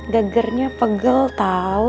gegernya pegel tau